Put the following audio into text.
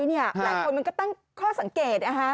หลายคนมันก็ตั้งข้อสังเกตนะคะ